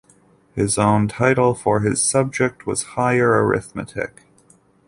His own title for his subject was Higher Arithmetic.